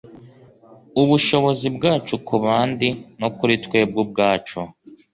ubushobozi bwacu ku bandi, no kuri twebwe ubwacu